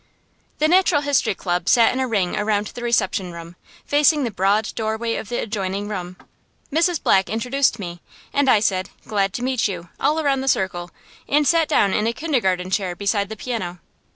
The Natural History Club sat in a ring around the reception room, facing the broad doorway of the adjoining room. Mrs. Black introduced me, and I said "Glad to meet you" all around the circle, and sat down in a kindergarten chair beside the piano.